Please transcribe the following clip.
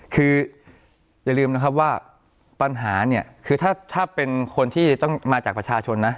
คืออย่าลืมนะครับว่าปัญหาเนี่ยคือถ้าเป็นคนที่ต้องมาจากประชาชนนะ